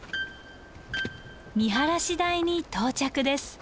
見晴台に到着です。